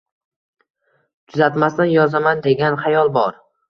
Tuzatmasdan yozaman degan xayol bor.